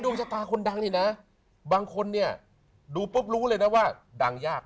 ชะตาคนดังนี่นะบางคนเนี่ยดูปุ๊บรู้เลยนะว่าดังยาก